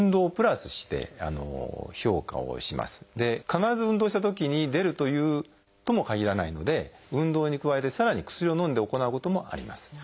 必ず運動したときに出るともかぎらないので運動に加えてさらに薬を飲んで行うこともあります。